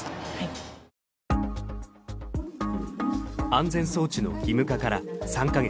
安全装置の義務化から３カ月。